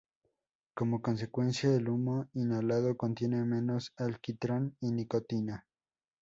Como consecuencia, el humo inhalado contiene menos alquitrán y nicotina.